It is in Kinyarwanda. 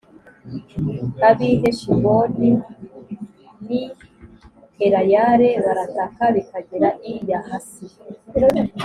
Ab’i Heshiboni n’i Eleyale barataka bikagera i Yahasi,